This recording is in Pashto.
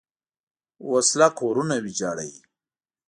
وسله کورونه ویجاړوي